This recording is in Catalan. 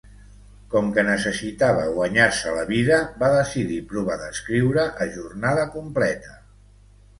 Com que necessitava guanyar-se la vida, va decidir provar d'escriure a jornada completa.